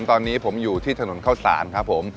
ตอนนี้ผมอยู่ที่ถนนเข้าสารครับผม